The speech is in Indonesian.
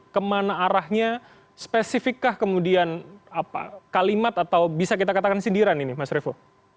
kemana arahnya spesifikkah kemudian kalimat atau bisa kita katakan sindiran ini mas revo